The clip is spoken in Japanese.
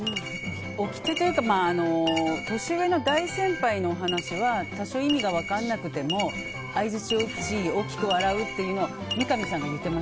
おきてというか年上の大先輩のお話は多少意味が分からなくても相槌を打つし大きく笑うっていうのを言ってない！